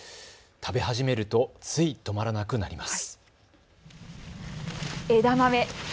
食べ始めるとつい止まらなくなります。